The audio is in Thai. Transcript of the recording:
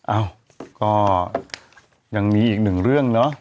เอ้าก็ยังมีอีกหนึ่งเรื่องเนอะ